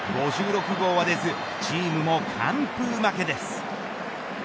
５６号は出ず、チームも完封負けです。